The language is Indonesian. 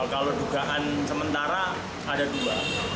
kalau dugaan sementara ada dua